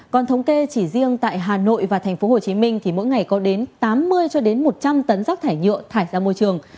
còn thống kê chỉ riêng tại hà nội và thành phố hồ chí minh thì mỗi ngày có đến tám mươi cho đến một trăm linh tấn rác thải nhựa thải ra môi trường